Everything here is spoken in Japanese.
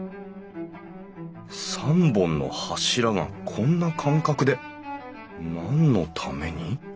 ３本の柱がこんな間隔で何のために？